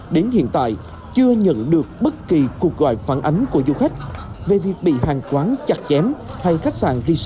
đến hiện tại chưa nhận được bất kỳ cuộc gọi phản ánh của du khách về việc bị hàng quán chặt chém hay khách sạn resort tự nâng giá